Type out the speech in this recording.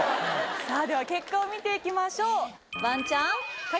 さあでは結果を見ていきましょう。